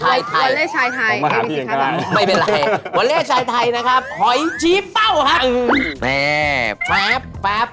หอยชีเป้าค่ะแปป